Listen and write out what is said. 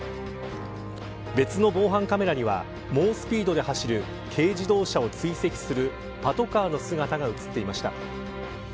別の防犯カメラには猛スピードで走る軽自動車を追跡するパトカーの姿が映っていました。